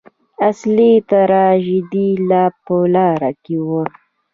اصلي تراژیدي لا په لاره کې وه.